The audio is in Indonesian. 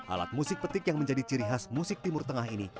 alat musik petik yang menjadi ciri khas musik timur tengah ini